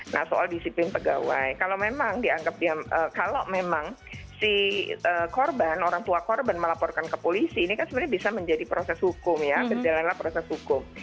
nah soal disiplin pegawai kalau memang orang tua korban melaporkan ke polisi ini kan sebenarnya bisa menjadi proses hukum ya berjalanlah proses hukum